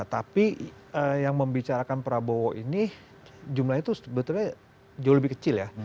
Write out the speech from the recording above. tapi yang membicarakan prabowo ini jumlahnya itu sebetulnya jauh lebih kecil ya